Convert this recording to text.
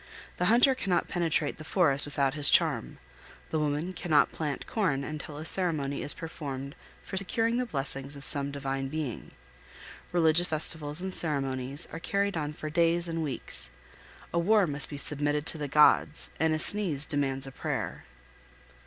The hunter cannot penetrate the forest without his charm; the woman cannot plant corn until a ceremony is performed for securing the blessings of some divine being. Religious festivals and ceremonies are carried on for days and weeks. A war must be submitted to the gods, and a sneeze demands a prayer.